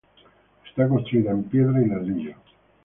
Está construida en piedra y ladrillo.